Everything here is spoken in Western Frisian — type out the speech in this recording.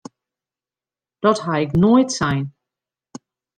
Dat ha ik noait sein!